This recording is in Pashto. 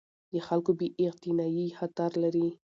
د خلکو بې اعتنايي خطر لري